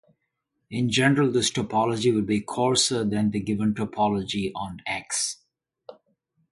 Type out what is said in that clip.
In general, this topology will be coarser than the given topology on "X".